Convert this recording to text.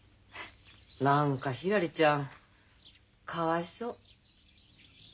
何かひらりちゃんかわいそう。